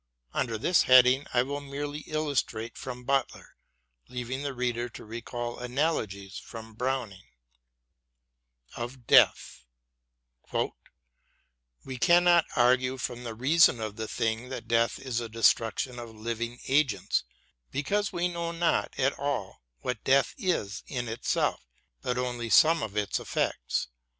Under this heading I will merely illustrate from Butler, leaving the reader to recall analogies from Browning ; OJ Death: We cannot argue from the reason of the thing that death is the destruction of living agents, because we know not at all what death is in itself, but only some of its effects.